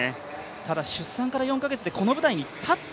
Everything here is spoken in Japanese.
ただ出産から４か月でこの舞台に立った。